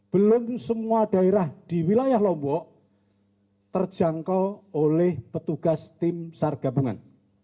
belum semua daerah di wilayah lombok terjangkau oleh petugas tim sar gabungan